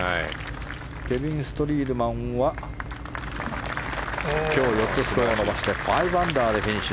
ケビン・ストリールマンは今日４つスコアを伸ばして５アンダーでフィニッシュ。